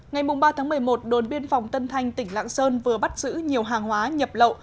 ngày ba một mươi một đồn biên phòng tân thanh tỉnh lạng sơn vừa bắt giữ nhiều hàng hóa nhập lậu